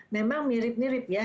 memang mirip mirip ya